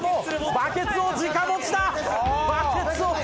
バケツを直持ち！